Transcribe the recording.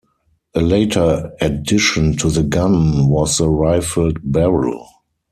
A later addition to the gun was the rifled barrel.